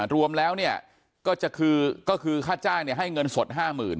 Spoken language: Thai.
รวมแล้วก็คือค่าจ้างให้เงินสด๕๐๐๐๐บาท